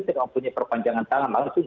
tidak mempunyai perpanjangan tangan langsung